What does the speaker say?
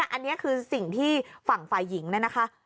อันนี้คือสิ่งที่ฝั่งฝ่ายหญิงเนี่ยนะคะ